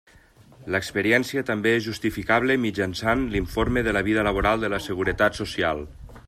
L'experiència també és justificable mitjançant l'informe de la vida laboral de la Seguretat Social.